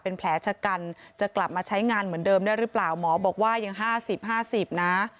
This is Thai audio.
เป็นแผลชะกันจะกลับมาใช้งานเหมือนเดิมได้หรือเปล่าหมอบอกว่ายัง๕๐๕๐นะ